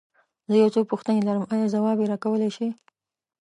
زه يو څو پوښتنې لرم، ايا ځواب يې راکولی شې؟